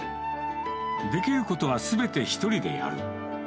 できることはすべて１人でやる。